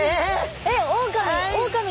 えっオオカミ？